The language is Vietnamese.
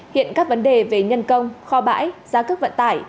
hiện các vấn đề về nhân công kho bãi giá cước vận tải